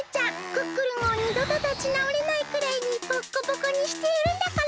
クックルンをにどとたちなおれないくらいにボッコボコにしてやるんだから。